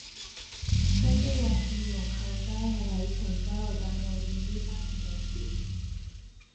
家姐話興隆後街係喺長洲但係唔知巴士路線